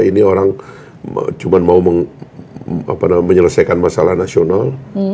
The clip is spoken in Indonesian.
ini orang cuma mau menyelesaikan masalah nasional